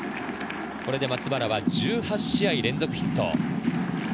これで松原は１８試合連続ヒット。